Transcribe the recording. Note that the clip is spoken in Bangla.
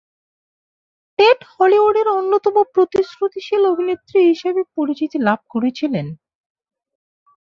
টেট হলিউডের অন্যতম প্রতিশ্রুতিশীল অভিনেত্রী হিসেবে পরিচিতি লাভ করেছিলেন।